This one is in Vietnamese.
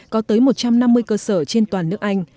có tới một trăm năm mươi cơ sở trên toàn nước anh